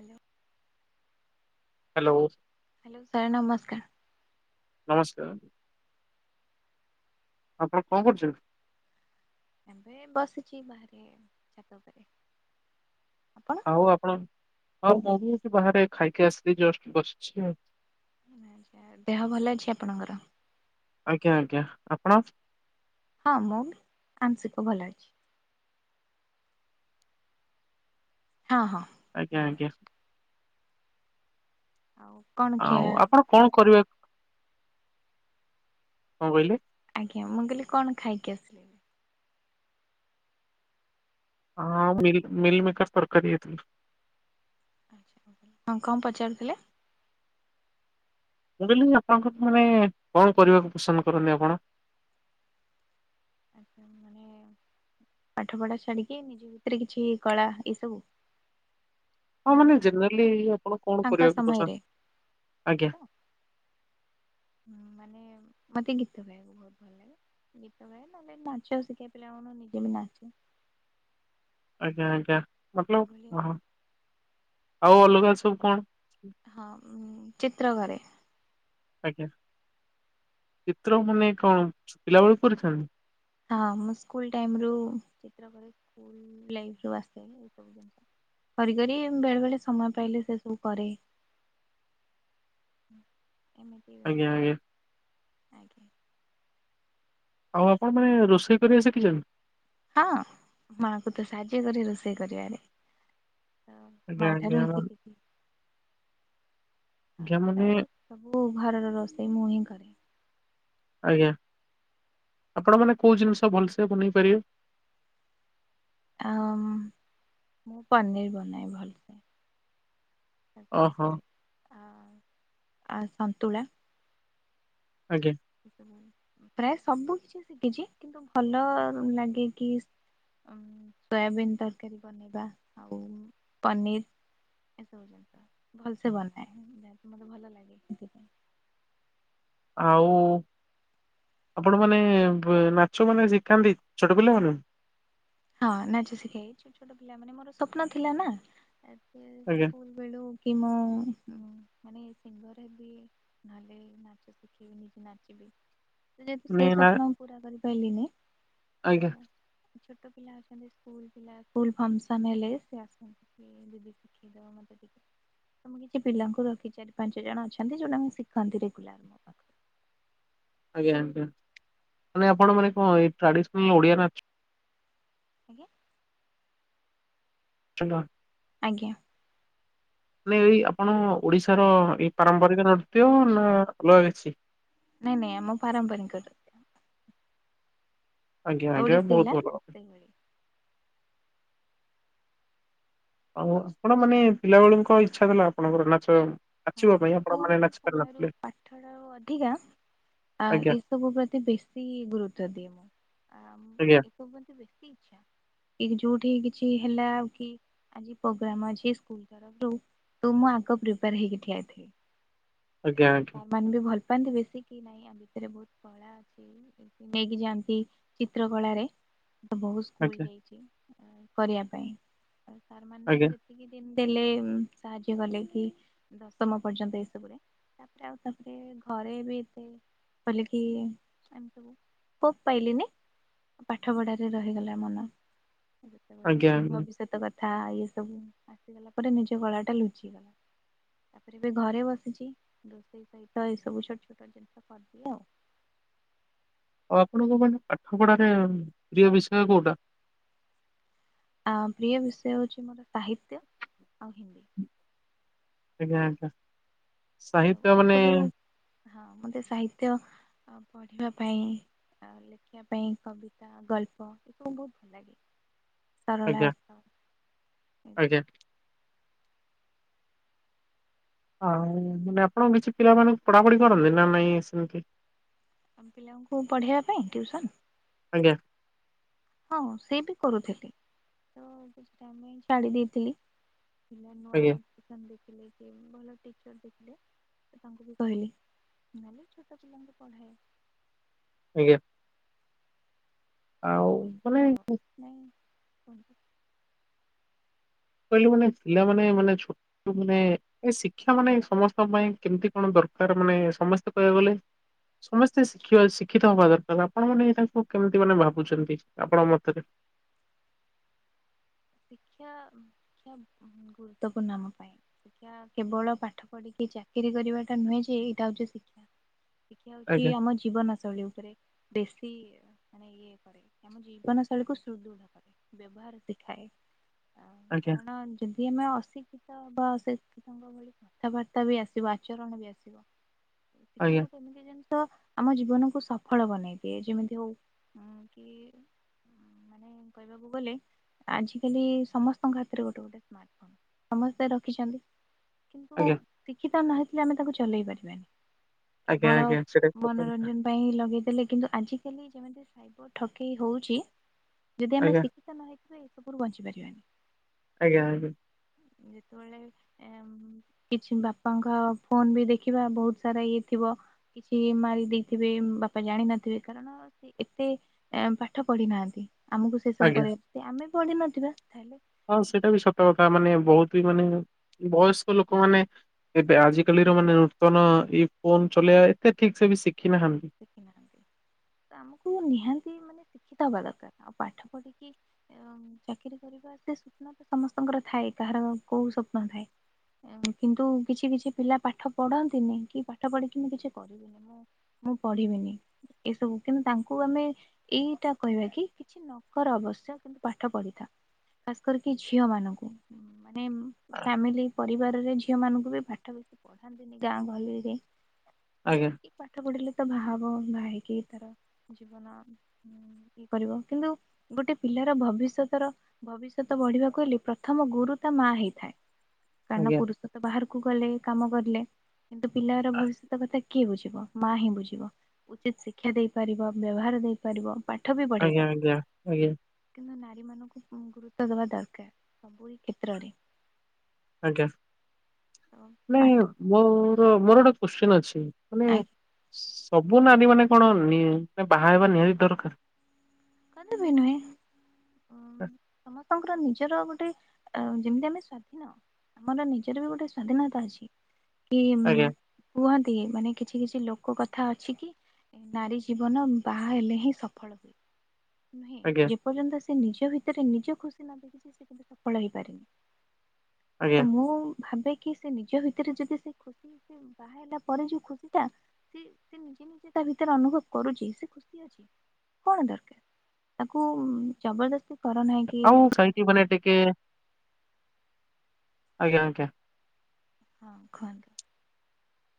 Hello. Hello. Hello sir ନମସ୍କାର। ନମସ୍କାର। ଆପଣ କଣ କରୁଛନ୍ତି? ଏବେ ବସିଛି ବାହାରେ ଛାତ ଉପରେ ଆପଣ? ହଉ ଆପଣ ଆଉ ମୁଁ ବି ବାହାରେ ଖାଇକି ଆସିଲି ଜଷ୍ଟ ବସିଛି ଆଉ ଆହା ଦେହ ଭଲ ଅଛି ଆପଣଙ୍କର? ଆଜ୍ଞା ଆଜ୍ଞା ଆପଣ? ହଁ ମୁଁ ବି ଆଂଶିକ ଭଲ ଅଛି। ହଁ ହଁ। ଆଜ୍ଞା ଭଲ ଆଜ୍ଞା। ଅଛି ଆଉ। କଣ ଖିଆ ଆଉ ଆପଣ କଣ କରିବା କଁ କହିଲେ। ଆଜ୍ଞା ମୁଁ କହିଲି କଣ ଖାଇକି ଆସିଲେ। ଆଁ ମିିଲ୍ ମିିଲ୍ ମେକର ତରକାରୀ ହେଇ ଥିଲା। ହଁ କଁ ପଚାରୁ ଥିଲେ। ମୁଁ କହିଲି ଆପଣଙ୍କ ମାନେ କଣ କରିବାକୁ ପସନ୍ଦ କରନ୍ତି ଆପଣ। ମାନେ ପାଠ ପଢା ଛାଡିକି ନିଜ ଭିତରେ କିଛି କଳା ଏଇ ସବୁ। ହଁ ନା ମାନେ ଜେନେରାଲି ଆପଣ କଣ ଫାଙ୍କା କରିବାକୁ ପସନ୍ଦ ସମୟରେ ଆଜ୍ଞା। ହୁଁ ମାନେ ମତେ ଗୀତ ଗାଇବାକୁ ବହୁତ ଭଲ ଲାଗେ। ଗୀତ ଗାଏ ନ ହେଲେ ନାଚ ଶିଖାଏ ପିଲା ମାନଙ୍କୁ ନିଜେ ବି ନାଚେ। ଆଜ୍ଞା ଆଜ୍ଞା ଏଇଭଳି ମତଲବ ହଁ ଆଉ ଅଲଗା ସବୁ କଣ। ହଁମ୍ ଚିତ୍ରକରେ। ଆଜ୍ଞା ଚିତ୍ର ମାନେ କଣ ଛୁ ପିଲା ବେଳୁ କରିଛନ୍ତି। ହଁ ମୁଁ ସ୍କୁଲ ଟାଇମ ରୁ ଚିତ୍ର କରେ ସ୍କୁଲ ଲାଇଫ ରୁ ଯୋଉ ଆସିଥିବେ ଏସବୁ। କରି କରି ବେଳେ ବେଳେ ସମୟ ପାଇଲେ ସେ ସବୁ କରେ। ହୁଁ ଏମିତି। ଆଜ୍ଞା ଆଜ୍ଞା। ଆଜ୍ଞା। ଆଉ ଆପଣ ମାନେ ରୋଷେଇ କରିବା ଶିଖିଛନ୍ତି। ହଁ ମାଙ୍କୁ ତ ସାହାଯ୍ୟ କରେ ରୋଷେଇ କରିବାରେ। ତ ଆଜ୍ଞା ମା ଠାରୁ ଆଜ୍ଞା। ହିଁ ଶିଖିଛି। ଜ୍ଞା ମାନେ। ପ୍ରାୟ ସବୁ ଘରର ରୋଷେଇ ମୁଁ ହିଁ କରେ। ଆଜ୍ଞା ଆପଣ ମାନେ କୋଉ ଜିନିଷ ଭଲସେ ବନେଇ ପାରିବେ। ଆ ମୁଁ ପନିର ବନାଏ ଭଲସେ। ତା ସାଙ୍ଗରେ ଓହୋ ଆ ଆଉ ସନ୍ତୁଳା। ଆଜ୍ଞା। ସବୁ ପ୍ରାୟ ସବୁ କିଛି ଶିଖିଛି କିନ୍ତୁ ଭଲ ଲାଗେ କି। ଉଁ ସୋୟାବିନ୍ ତରକାରୀ ବନେଇବା ଆଉ ପନିର୍। ଏସବୁ ଜିନିଷ ଭଲସେ ବନାଏ ଯାହେତୁ ମତେ ଭଲ ଲାଗେ ସେଥିପାଇଁ। ଆଉ ଆପଣ ମାନେ ବେ ନାଚ ମାନେ ଶିଖାନ୍ତି ଛୋଟ ପିଲା ମାନଙ୍କୁ। ହଁ ନାଚ ଶିଖାଏ ‌ ଏଇ ଛୋଟ ଛୋଟ ପିଲା ମାନେ ମୋର ସ୍ଵପ୍ନ ଥିଲା ନା ଏ ତ ଏ ଆଜ୍ଞା ସ୍କୁଲ। ବେଳୁ କି ମୁଁ ମାନେ ଶିଙ୍ଗରେ ହେବି। ନହେଲେ ନାଚ ଶିଖେଇବି କି ନାଚିବି। ତ ଯେହେତୁ ମାନେ ସେ ନା ସ୍ୱପ୍ନ ମୁଁ ପୁରା କରି ପାଇଲିନି। ଆଜ୍ଞା। ଛୋଟ ପିଲା ଅଛନ୍ତି ସ୍କୁଲ ପିଲା ସ୍କୁଲ ଫଙ୍ଗସନ୍ ହେଲେ ସେ ଆସନ୍ତି କି ଦିଦି ଶିଖେଇ। ଦବ ମତେ ଟିକେ ତ ମୁଁ କିଛି ପିଲାଙ୍କୁ ରଖିଛି ଚାରି ପାଞ୍ଚ ଜଣ ଅଛନ୍ତି ଯୋଉ ମାନେ ଶିଖନ୍ତି ରେଗୁଲାର ମୋଠୁ। ଆଜ୍ଞା ଆଜ୍ଞା ମାନେ ଆପଣ ମାନେ କଁ ଏଇ ଟ୍ରାଡିସନାଲ ଓଡିଆ ନାଚ। ଆଜ୍ଞା। [unintelligible] ଆଜ୍ଞା। ମାନେ ଏଇ ଆପଣ ଓଡିଶାର ଏଇ ପାରମ୍ପରିକ ନୃତ୍ୟ ନା ଅଲଗା କିଛି। ନାଇଁ ନାଇଁ ଆମ ପାରମ୍ପରିକ ର। ଆଜ୍ଞା ଆଜ୍ଞା ଓଡିଶୀ ବହୁ ହେଲା ଭଲ କଥା। ସେଇଭଳି। ଆଉ ଆପଣ ମାନେ ପିଲା ବେଳୁଙ୍କ ଇଛା ଥିଲା ଆପଣଙ୍କର ନାଚ ହଁ ନାଚିବା ପାଇଁ ଆପଣ ମାନେ ସ୍କୁଲ ନାଚି। ସମୟରୁ ପାରୁନଥିଲେ ପାଠଟା ରୁ ଅଧିକା। ଆ ଆଜ୍ଞା ଏସବୁ ପ୍ରତି ବେଶୀ ଗୁରୁତ୍ବ ଦିଏ ମୁଁ ଆ ମୁଁ। ଆଜ୍ଞା ଏ ସବୁ ମତେ ବେଶୀ ଇଛା କି ଯୋଉଠି କିଛି ହେଲା ଆଉ କି। ଆଜି ପ୍ରୋଗ୍ରାମ ଅଛି ସ୍କୁଲ ତରଫରୁ ତୁ ମୁଁ ଆଗ ପ୍ରିପେୟାର ହେଇକି [unintelligible] ଆଜ୍ଞା ଆଜ୍ଞା ସାରମାନେ ବି ଭଲ ପାଆନ୍ତି ବେଶୀ କି ନାଇଁ ଆ ଭିତରେ ବହୁତ କଳା ନେଇକି ଯାଆନ୍ତି ଚିତ୍ର କଳାରେ ତ ବହୁତ ସ୍କୁଲ ଆଜ୍ଞା ଯାଇଛି, କରିବା ପାଇଁ ସାରମାନେ ଆଜ୍ଞା କିଛି ଦିନ ଦେଲେ ସାହାଯ୍ୟ କଲେ କି ଦଶମ ପର୍ଯ୍ୟନ୍ତ ଏସବୁରେ ତାପରେ ଆଉ ତାପରେ ଘରେ ବି ଏତେ ଖୋଲିକି ଏମତି ସ୍କୋପ ପାଇଲିନି, ପାଠ ପଢ଼ାରେ ରହିଗଲା ମନ ଯେତେବେଳେ ଆଜ୍ଞା ଆଜ୍ଞା। ଭବିଷ୍ୟତ କଥା ଇଏ ସବୁ ଆସିଗଲା ପରେ ନିଜ କଳାଟା ଲୁଚିଗଲା। ତାପରେ ଏ ଘରେ ବସିଛି ରୋଷେଇ ସହିତ ଏ ସବୁ ଛୋଟ ଛୋଟ ଜିନିଷ କରିଦିଏ ଆଉ ଆଉ ଆପଣଙ୍କ ମାନେ ପାଠ ପଢ଼ା ରେ ପ୍ରିୟ ବିଷୟ କୋଉଟା? ଆ ପ୍ରିୟ ବିଷୟ ହଉଛି ମୋର ସାହିତ୍ୟ ଆଉ ହିନ୍ଦୀ। ଆଜ୍ଞା ଆଜ୍ଞା। ସେ ସବୁ ସାହିତ୍ୟ ଆଉ ମାନେ ସବୁ ହଁ ମୋତେ ସାହିତ୍ୟ ପଢ଼ିବା ପାଇଁ ଲେଖିବା ପାଇଁ କବିତା, ଗଳ୍ପ, ଏସବୁ ବହୁତ ଭଲ ଲାଗେ। ଆଜ୍ଞା ସରଳାର୍ଥ ଆଜ୍ଞା ଆଉ ମାନେ ଆପଣଙ୍କ କିଛି ପିଲା ମାନଙ୍କୁ ପଢ଼ାପଢ଼ି କରନ୍ତି ନା ନାଇଁ ସେମତି ପିଲାଙ୍କୁ ପଢ଼େଇବା ପାଇଁ ଟିଉସନ୍ ଆଜ୍ଞା। ହଁ ସେ ବି କରୁଥିଲି, ତ କିଛି ଟାଇମ୍ ପାଇଁ ଛାଡ଼ି ଦେଇଥିଲି। ଥିଲେ ନୂଆ ଆଜ୍ଞା ଟିଉସନ୍ ଦେଖିଲେ ସିଏ ବି ଭଲ ଟିଚର ଦେଖିଲେ ସେ ତାଙ୍କୁ ବି କହିଲେ ନହେଲେ ଛୋଟ ପିଲାଙ୍କୁ ପଢ଼ାଏ। ଆଜ୍ଞା। ଆଉ ଏମିତି କଥା ମାନେ ଆଉ ନାଇଁ କୁହନ୍ତୁ? କହିଲି ମାନେ ପିଲା ମାନେ, ମାନେ ଛୋଟ ମାନେ ଏ ଶିକ୍ଷା ମାନେ ସମସ୍ତଙ୍କ ପାଇଁ କେମିତି କଣ ଦରକାର ମାନେ ସମସ୍ତେ କହିବାକୁ ଗଲେ ସମସ୍ତେ ଶିକ୍ଷିବା, ଶିକ୍ଷିତ ହବା ଦରକାର, ଆପଣ ମାନେ ଏଇଟାକୁ କେମିତି ମାନେ ଭାବୁଛନ୍ତି, ଆପଙ୍କ ମତରେ ଶିକ୍ଷା, ଶିକ୍ଷା ଗୁରୁତ୍ୱପୂର୍ଣ୍ଣ ଆମ ପାଇଁ। ଶିକ୍ଷା କେବଳ ପାଠ ପଢ଼ିକି ଚାକିରି କରିବାଟା ନୁହେଁଯେ -ଏଇଟା ହଉଛି ଶିକ୍ଷା ଶିକ୍ଷା ହଉଛି ଆଜ୍ଞା ଆମ ଜୀବନ ଶୈଳୀ ଉପରେ, ବେଶୀ ମାନେ ଇଏ ଇଏ କରେ ଆମ ଜୀବନ ଶୈଳୀକୁୁ ସୁଦୃଢ଼ କରେ ବ୍ୟବହାର ଶିଖାଏ। ଆଉ ଆଜ୍ଞା କାରଣ ଯଦି ଆମେ ଅଶିକ୍ଷିତ ବା ଶିକ୍ଷିତଙ୍କ କଥାବାର୍ତ୍ତା ବି ଆସିବ, ଆଚରଣ ବି ଆସିବ ଆଜ୍ଞା ଶିକ୍ଷାକୁ କେମିତି? କିଛି ଜିନିଷ ଆମ ଜୀବନକୁୁ ସଫଳ ବନେଇ ଦିଏ, ଯେମିତି ହଉ କି ମାନେ କହିବାକୁ ଗଲେ ଆଜି [unintelligible] ସମସ୍ତଙ୍କ ହାତରେ ଗୋଟେ ଗୋଟେ ସ୍ମାର୍ଟ ଫୋନ୍ ସମସ୍ତେ ରଖିଛନ୍ତି କିନ୍ତୁ ଆଜ୍ଞା ଶିକ୍ଷିତ ନହେଇଥିଲେ ଆମେ ତାକୁ ଚଲେଇ ପାରିବାନି ଆଜ୍ଞା କେବଳ ଆଜ୍ଞା ସେଟା ସତ କଥା ମନୋରଞ୍ଜନ ପାଇଁ ଲଗେଇ ଦେଲେ କିନ୍ତୁ ଆଜିିକାଲି ଯେମତି ସାଇବ ଠକେଇ ହଉଛି ଯଦି ଆମେ ଆଜ୍ଞା ଶି କ୍ଷିତା ନ ହେଇଥିଲେ ଏସବୁରୁ ବଞ୍ଚିପାରିବାନି। ଆଜ୍ଞା ଆଜ୍ଞା। ଯେତେବେଳେ ଏ କିଛି ବାପାଙ୍କ ଫୋନ୍ ବି ଦେଖିବା ବହୁତ ସାରା ଇଏ ଥିବ କିଛି ମାରି ଦେଇଥିବେ, ବାପା ଜାଣିିନଥିବେ କାରଣ ସେ ଏତେ ପାଠ ପଢ଼ି ନାହାନ୍ତି। ଆମକୁ ସେ ସବୁ ଆଜ୍ଞା। କରିବା, ଆମେ ପଢ଼ିନଥିବା ତାହେଲେ ହଁ ସେଇଟା ବି ସତ କଥା ମାନେ ବହୁତ ବି ମାନେ ବୟସ୍କ ଲୋକମାନେ ଏବେ ଆଜିକାଲିର ମାନେ ନୂତନ ଏଇ ଫୋନ୍ ଚଲେଇବା ଏତେ ଠିକ୍ ସେ ବି ଶିଖି ନାହାନ୍ତି। ଶିଖିନାହାନ୍ତି ତ ଆମକୁ ନିହାତି ମାନେ ଶିକ୍ଷିତ ହବା ଦରକାର, ଆଉ ପାଠ ପଢ଼ିକି ଏବଂ ଚାକିରୀ କରିବା ସେ ସ୍ୱପ୍ନ ତ ସମସ୍ତଙ୍କର ଥାଏ କାହାର କୋଉ ସ୍ୱପ୍ନ ଥାଏ କିନ୍ତୁ କିଛି କିଛି ପିଲା ପାଠ ପଢ଼ନ୍ତିନି କି ପାଠ ପଢ଼ିକି ମୁ କିଛି କରିବିନି ମୁଁ ମୁଁ ପଢିବିନି ଏସବୁ କିନ୍ତୁ ତାଙ୍କୁ ଆମେ ଏଇଟା କହିବା କି କିଛି ନକର ଅବଶ୍ୟ କିନ୍ତୁ ପାଠ ପଢିଥା ଖାସ କରିକି ଝିଅ ମାନଙ୍କୁ ମାନେ ଫାମିଲି ପରିବାରରେ ଝିଅ ମାନଙ୍କୁ ବି ପାଠ ବେଶୀ ପଢ଼ୀ ଥାନ୍ତିନି ଗାଁ ଗହଳିରେ ଆଜ୍ଞା। କି ପାଠ ପଢିଲେ ତ ବାହା ହବ। ବାହା ହେଇକି ତାର ଜୀବନ ଇଏ କରିବ କିନ୍ତୁ ଗୋଟେ ପିଲାର ଭବିଷ୍ୟତର ଭବିଷ୍ୟତ ବଢିବାକୁ ହେଲେ ପ୍ରଥମ ଗୁରୁ ତା ମା ହେଇଥାଏ। କାରଣ ଆଜ୍ଞା ପୁରୁଷ ତ ବାହାରକୁ ଗଲେ କାମ କଲେ କିନ୍ତୁ ପିଲାର ଭବିଷ୍ୟତ କଥା କିଏ ବୁଝିବ ମା ହିଁ ବୁଝିବ ଉଚିତ ଶିକ୍ଷା ଦେଇପାରିବ ବ୍ୟବହାର ଦେଇପାରିବ। ପାଠ ବି ପଢ଼େଇ ଆଜ୍ଞା ପାରିବ। ଆଜ୍ଞା ଆଜ୍ଞା କିନ୍ତୁ ନାରୀ ମାନଙ୍କୁ ଗୁରୁତ୍ୱ ଦବା ଦରକାର ସବୁରି କ୍ଷେତ୍ରରେ। ଆଜ୍ଞା ପାଠ ନାଇଁ ମୋର ମୋର ଗୋଟେ କୋଶ୍ଚିନ ଅଛି? ମାନେ ସବୁ ନାରୀ ମାନେ କଣ ନି ବାହା ହେବା ନିହାତି ଦରକାର? କଦାପି ନୁହେଁ। ସମସ୍ତଙ୍କର ନିଜର ଗୋଟେ ଯେମିତି ଆମେ ସ୍ଵାଧୀନ ଆମର ନିଜର ବି ଗୋଟେ ସ୍ଵାଧୀନତା ଅଛି କି ଆଜ୍ଞା କୁହନ୍ତି ମାନେ କିଛି କିଛି ଲୋକ କଥା ଅଛି କି? ନାରୀ ଜୀବନ ବାହା ହେଲେ ହିଁ ସଫଳ ହୁଏ। ନୁହେଁ ଆଜ୍ଞା ଯେ ପର୍ଯ୍ୟନ୍ତ ସେ ନିଜ ଭିତରେ ନିଜ ଖୁସି ନ ଦେଖିଛି ସେ କେବେ ସଫଳ ହେଇପାରିନି। ତ ଆଜ୍ଞା ମୁଁ ଭାବେ କି ସେ ନିଜ ଭିତରେ ଯଦି ସେ ଖୁସି ବାହା ହେଲା ପରେ ଯୋଉ ଖୁସି ଟା ସେ ସେ ନିଜେ ନିଜେ ତା ଭିତରେ ଅନୁଭବ କରୁଛି ସେ ଖୁସି ଅଛି କଣ ଦରକାର। ତାକୁ ଜବରଦସ୍ତି କର ନାହିଁ କି ଆଉ ସାଇଠ ହଁ ବନ ଟିକେ ଆଜ୍ଞା ଆଜ୍ଞା। ହଁ କୁହନ୍ତୁ।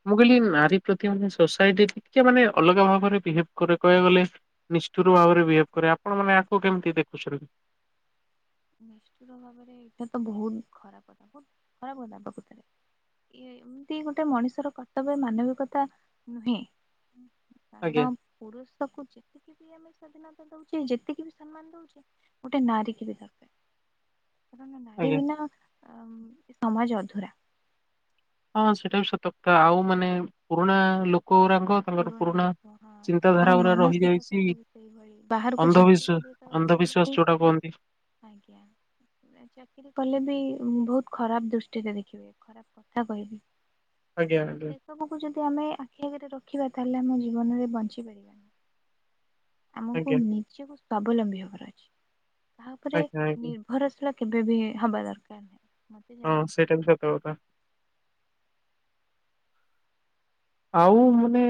ମୁଁ କହିଲି ନାରୀ ପ୍ରତି ମାନେ ସୋସାଇଟି ଟିକେ ମାନେ ଅଲଗା ଭାବରେ ବିହେଭ କରେ କହିବାକୁ ଗଲେ। ନିଷ୍ଠୁର ଭାବରେ ବିହେଭ୍ କରେ ଆପଣ ମାନେ ଆଗକୁ କେମିତି ଦେଖୁଛନ୍ତି? ନିଷ୍ଠୁର ଭାବରେ ଏଇଟା ତ ବହୁତ ଖରାପ କଥା ବହୁତ ଖରାପ କଥା ପ୍ରକୃତ ରେ। ଏମିତି ଗୋଟେ ମଣିଷର କର୍ତ୍ତବ୍ୟ ମାନବିକତା ନୁହେଁ। ଆଜ୍ଞା କାରଣ ପୁରୁଷକୁ ଯେତିକି ବି ଆମେ ସ୍ଵାଧୀନତା ଦଉଛେ ଯେତିକି ବି ସମ୍ମାନ ଦଉଛେ ଗୋଟେ ନାରୀ ବି କାରଣ ନାରୀ ଆଜ୍ଞା। ବିନା ସମାଜ ଅଧୁରା। ହଁ ସେଇଟା ବି ସତକଥା ଆଉ ମାନେ ପୁରୁଣା ଲୋକଗୁରାଙ୍କ ତାଙ୍କର ପୁରୁଣା ଲୋକ ହଁ ତାଙ୍କର ଚିନ୍ତାଧାରା ଗୁଡା ମାନସିକତା ରହିଯାଇଛି ସବୁ ସେଇଭଳି ବାହାରକୁ ଚାକିରି କରିବାକୁ ଅନ୍ଧବିଶ୍ୱାସ ଗଲେ ବି ଅନ୍ଧବିଶ୍ୱାସ ଯୋଉଟା କୁହନ୍ତି। ଆଜ୍ଞା। ଚାକିରୀ କଲେ ବି ବହୁତ ଖରାପ ଦୃଷ୍ଟିରେ ଦେଖିବେ ଖରାପ କଥା କହିବେ। ଆଜ୍ଞା ଆଜ୍ଞା। ସେ ସବୁ ଯଦି ଆମେ ଆଖି ଆଗରେ ରଖି ରଖିବା ତାହଲେ ଆମ ଜୀବନରେ ବଞ୍ଚି ପାରିବାନି ଆମକୁ ଆଜ୍ଞା ଝିଅ କୁ ସ୍ୱାଭିଲମ୍ବୀ ହେବାର ଅଛି ତାହା ଉପରେ ଆଜ୍ଞା ନି ଆଜ୍ଞା ନିର୍ଭରଶୀଳା କେବେ ବି ହବା ଦରକାର ନାହିଁ। ମତେ ଯାହା ହଁ ଲାଗେ। ସେଇଟା ବି ସତ କଥା। ଆଉ ମାନେ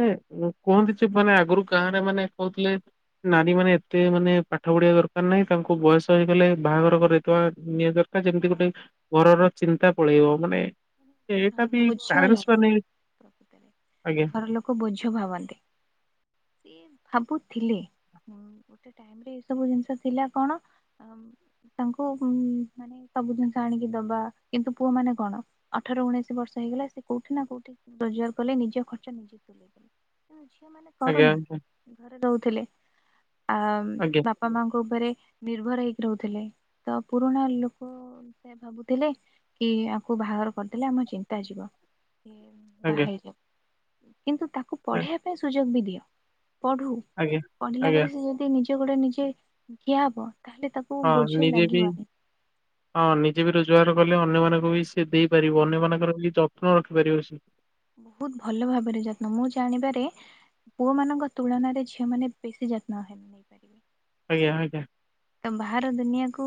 କୁହନ୍ତି ଯେ ମାନେ ଆଗରୁ ଗାଁରେ ମାନେ କହୁଥିଲେ ନାରୀ ମାନେ ଏତେ ମାନେ ପାଠ ପଢିବା ଦରକାର ନାହିଁ ତାଙ୍କୁ ବୟସ ହେଇଗଲେ ବାହାଘର କରେଇଦେବା ନିହାତି ମାନେ ଯେମିତି ଗୋଟେ ହଁ ଘରର ଚିନ୍ତା ପଳେଇବ ମାନେ ଏଇଟା ବି ପ୍ୟାରେଣ୍ଟସ୍ ମାନେ ପ୍ରକୃତ ରେ ଆଜ୍ଞା ଘର ଲୋକ ବୋଝ ଭାବନ୍ତି। ସିଏ ଭାବୁଥିଲେ ଗୋଟେ ଟାଇମ ରେ ଏ ସବୁ ଜିନିଷ ଥିଲା କଣ ତାଙ୍କୁ ମାନେ ସବୁ ଜିନିଷ ଆଣିକି ଦବା କିନ୍ତୁ ପୁଅ ମାନେ କଣ ଅଠର ଉଣେଇଶ ବର୍ଷ ହେଇଗଲା ସେ କୋଉଠି ନା କୋଉଠି ରୋଜଗାର କଲେ ନିଜ ଖର୍ଚ୍ଚ ନିଜେ ତୁଲେଇଲେ। ଆମେ ଝିଅ ମାନେ ଆଜ୍ଞା କରୁନା। ଆଜ୍ଞା ଘରେ ଦଉଥିଲେ। ଆଜ୍ଞା ଆ-ବାପ୍ ମାମାଙ୍କ ଉପରେ ନିର୍ଭର ହେଇକି ରହୁଥିଲେ। ତ ପୁରୁଣା ଲୋକ ସେୟା ଭାବୁଥିଲେ କି ୟାକୁ ବାହାଘର କରିଦେଲେ ଆମ ଚିନ୍ତା ଯିବ କି ଆଜ୍ଞା ବାହାହେଇଯାଉ। କିନ୍ତୁ ତାକୁ ଆ- ପଢ଼ିବା ପାଇଁ ସୁଯୋଗ ବି ଦିଅ। ପଢୁ ଆଜ୍ଞା ପଢିଲା ଆଜ୍ଞା ପରେ ସେ ଯଦି ନିଜେ ନିଜ ଗୋଡ଼ରେ ନିଜେ ଠିଆ ହବ ତାହେଲେ ତାକୁ ହଁ ବୋଝ ନିଜେ ବି ଲାଗିବନି। ହଁ ନିଜେ ବି ରୋଜଗାର କଲେ ଅନ୍ୟମାନଙ୍କୁ ବି ସେ ଦେଇପାରିବ। ଅନ୍ୟ ମାନଙ୍କର ବି ଯବ୍ ହଁ ରଖିପାରିବ ସେ। ବହୁତ ଭଲ ଭାବରେ ଯତ୍ନ। ମୁଁ ଜାଣିବାରେ ପୁଅ ମାନଙ୍କ ତୁଳନାରେ ଝିଅ ମାନେ ବେଶୀ ଯତ୍ନ ହେଇ-ନେଇପାରିବେ। ଆଜ୍ଞା ଆଜ୍ଞା। ତ ବାହାର ଦୁନିଆକୁ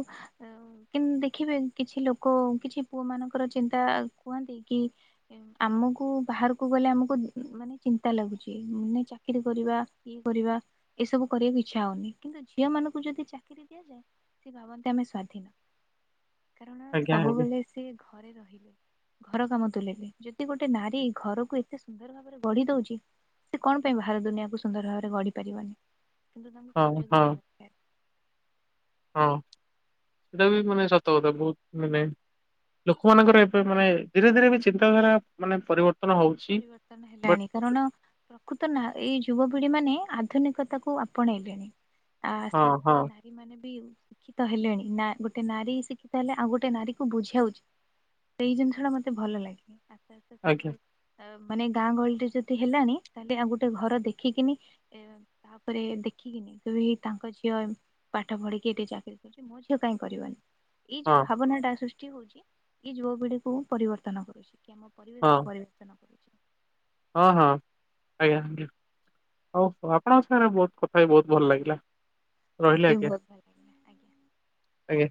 କିନ୍ତୁ ଦେଖିବେ କିଛି ଲୋକ କିଛି ପୁଅ ମାନଙ୍କର ଚିନ୍ତା। କୁହନ୍ତି କି ଆମକୁ ବାହାରକୁ ଗଲେ ଆମକୁ ମାନେ ଚିନ୍ତା ଲାଗୁଛି ମାନେ ଚାକିରୀ କରିବା କି କରିବା ଏସବୁ କରିବାକୁ ଇଚ୍ଛା ହଉନି। କିନ୍ତୁ ଝିଅ ମାନଙ୍କୁ ଯଦି ଚାକ୍ ଚାକିରୀ ଦିଆଯାଏ ସେ ଭାବନ୍ତି ଆମେ ସ୍ଵାଧୀନ। କାରଣ ଆଜ୍ଞା ଆଜ୍ଞା ସବୁବେଳେ ସେ ଘରେ ରହିଲେ ଘର କାମ ତୁଲେଇବେ। ଯଦି ଗୋଟେ ନାରୀ ଘରକୁ ଏତେ ସୁନ୍ଦର ଭାବରେ ଗଢି ଦଉଛି ସେ କଣ ପାଇଁ ବାହାର ଦୁନିଆକୁ ସୁନ୍ଦର ଭାବରେ ଗଢି ପାରିବନି? କିନ୍ତୁ ତମେ ହଁ ସୁଯୋଗ ହଁ ଦେବା ଦରକାର। ହଁ। ସେଟା ବି ମାନେ ସତକଥା ବହୁତ ମାନେ ଲୋକମାନଙ୍କର ଏବେ ମାନେ ଧୀରେ ଧୀରେ ବି ଚିନ୍ତାଧାରା ମାନେ ପରିବର୍ ପରିବର୍ତ୍ତନ ହେଲାଣି କାରଣ ପ୍ରକୃତ ନା ଏ ଯୁବପିଢ଼ି ମାନେ ଆଧୁନିକତାକୁ ଆପଣେଇଲେଣି। ହଁ ଆସ୍ ଆସି ହଁ ନାଇ ନାରୀମାନେ ବି ଶିକ୍ଷିତ ହେଲେଣି। ନା-ଗୋଟେ ନାରୀ ଶିକ୍ଷିତ ହେଲେ ଆଉ ଗୋଟେ ନାରୀକୁ ବୁଝିବା ଉଚିତ୍ ସେଇ ଜିନିଷ ଟା ମତେ ଭଲ ଲାଗେନି। ଆସ୍ତେ ଆସ୍ତେ ଆଜ୍ଞା ସବୁ ଅ-ମାନେ ଗାଁ ଗହଳିରେ ଯଦି ହେଲାଣି ତାହେଲେ ଆଉ ଗୋଟେ ଘର ଦେଖିକିନି ତାପରେ ଦେଖିକିନି କହିବେ ହେ ତାଙ୍କ ଝିଅ-ଏମ୍ ପାଠ ପଢିକି ଏଠି ଚାକିରୀ କରି ମୋ ଝିଅ କାଇଁ କରିବନି? ଏଇ ଯଉ ହଁ ଭାବନା ଟା ସୃଷ୍ଟି ହଉଛି ଏଇ ଯୁବପିଢିକୁ ପରିବର୍ତ୍ତନ କରୁଚି କି ଆମ ହଁ ପରିବେଶକୁ ପରିବର୍ତ୍ତନ ଜନାପଡୁଛି। ହଁ ହଁ ଆଜ୍ଞା ଜ୍ଞା। ହଉ ଆପଣଙ୍କ ସାଙ୍ଗରେ ବହୁତ କଥା ହେଇ ବହୁତ ଭଲ ଲାଗିଲା। ରହିଲି ମତେ ବି ଆଜ୍ଞା ବହୁତ ଭଲ ଲାଗିଲା ଆଜ୍ଞା। ଆଜ୍ଞା।